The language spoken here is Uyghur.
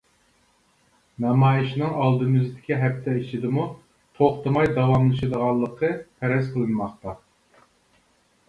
نامايىشنىڭ ئالدىمىزدىكى ھەپتە ئىچىدىمۇ توختىماي داۋاملىشىدىغانلىقى پەرەز قىلىنماقتا.